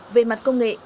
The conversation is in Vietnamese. về mặt công nghệ